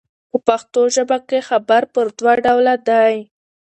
په پښتو ژبه کښي خبر پر دوه ډوله دئ.